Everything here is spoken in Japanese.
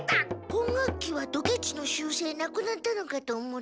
今学期はドケチの習せいなくなったのかと思った。